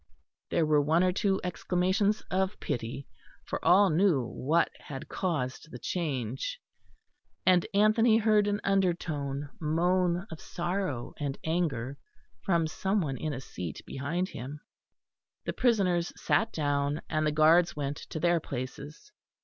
There were one or two exclamations of pity, for all knew what had caused the change; and Anthony heard an undertone moan of sorrow and anger from some one in a seat behind him. The prisoners sat down; and the guards went to their places.